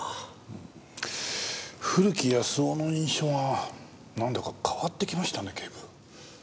古木保男の印象がなんだか変わってきましたね警部。